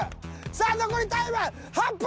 さあ残りタイム８分！